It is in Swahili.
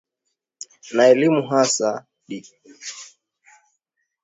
na elimu hasa De Catechizandis Rudibus Akijibu hoja za Wadonati